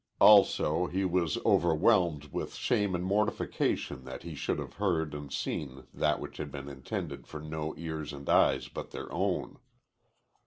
Also, he was overwhelmed with shame and mortification that he should have heard and seen that which had been intended for no ears and eyes but their own.